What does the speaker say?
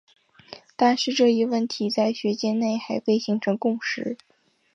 但是这一问题在学界内还未形成共识。